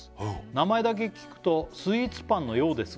「名前だけ聞くとスイーツパンのようですが」